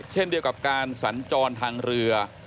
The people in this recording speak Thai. เช่นเดียวกับการสัญจรทางเรือ